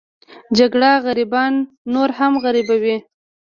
جګړه غریبان نور هم غریبوي